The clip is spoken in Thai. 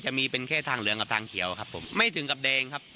จะมีเป็นแค่ทางเหลืองกับทางเขียวครับผมไม่ถึงกับแดงครับ